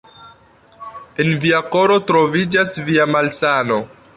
En via koro troviĝas via malsano.